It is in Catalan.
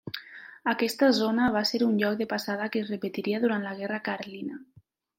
Aquesta zona va ser un lloc de passada que es repetiria durant la guerra carlina.